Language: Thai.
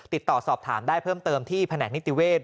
ติดต่อสอบถามได้เพิ่มเติมที่แผนกนิติเวศ